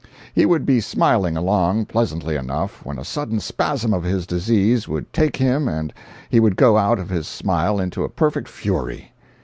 He would be smiling along pleasantly enough, when a sudden spasm of his disease would take him and he would go out of his smile into a perfect fury.